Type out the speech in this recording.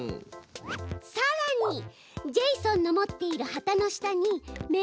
さらにジェイソンのもっている旗の下に命令をつけて。